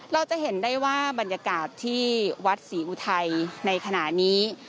เราจะเห็นได้ว่าบรรยากาศที่วัดศรีอุทัยในขณะนี้